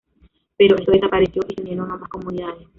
Pero esto desapareció y se unieron ambas comunidades.